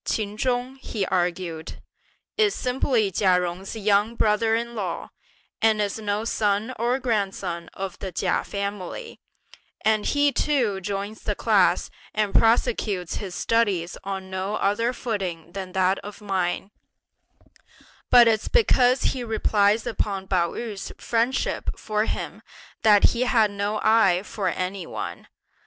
"Ch'in Chung," he argued, "is simply Chia Jung's young brother in law, and is no son or grandson of the Chia family, and he too joins the class and prosecutes his studies on no other footing than that of mine; but it's because he relies upon Pao yü's friendship for him that he has no eye for any one.